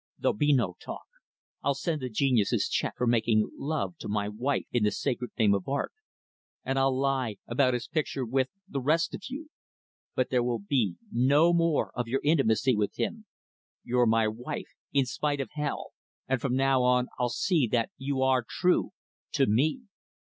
"There'll be no talk. I'll send the genius his check for making love to my wife in the sacred name of art, and I'll lie about his picture with the rest of you. But there will be no more of your intimacy with him. You're my wife, in spite of hell, and from now on I'll see that you are true to me.